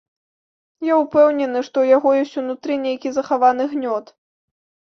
Я ўпэўнены, што ў яго ёсць унутры нейкі захаваны гнёт.